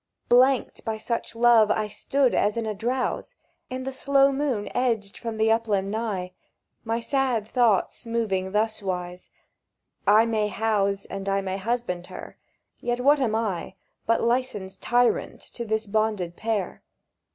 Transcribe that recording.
Blanked by such love, I stood as in a drowse, And the slow moon edged from the upland nigh, My sad thoughts moving thuswise: "I may house And I may husband her, yet what am I But licensed tyrant to this bonded pair?